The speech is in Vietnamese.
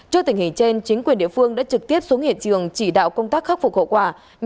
trước tình hình trên chính quyền địa phương đã trực tiếp xuống hiện trường chỉ đạo công tác khắc phục hậu quả